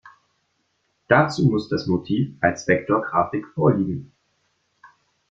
Dazu muss das Motiv als Vektorgrafik vorliegen.